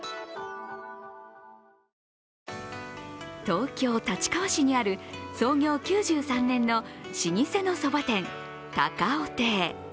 東京・立川市にある創業９３年の老舗のそば店・高尾亭。